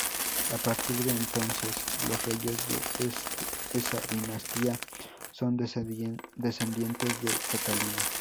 A partir de entonces los reyes de esa dinastía son descendientes de Catalina.